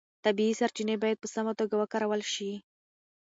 طبیعي سرچینې باید په سمه توګه وکارول شي.